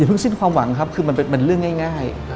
เพิ่งสิ้นความหวังครับคือมันเป็นเรื่องง่าย